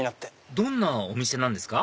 どんなお店なんですか？